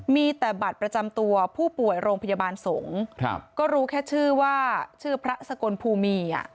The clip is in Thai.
มีแต่บัตรประจำตัวผู้ป่วยโรงพยาบาลสงฆ์ก็รู้แค่ชื่อว่าชื่อพระสกลภูมี